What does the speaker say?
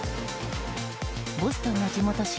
ボストンの地元紙